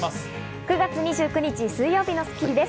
９月２９日、水曜日の『スッキリ』です。